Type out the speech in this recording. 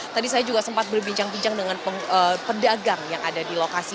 tadi saya juga sempat berbincang bincang dengan pedagang yang ada di lokasi